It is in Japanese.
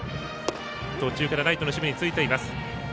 途中からライトの守備についています。